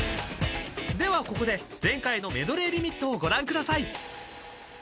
［ではここで前回のメドレーリミットをご覧ください］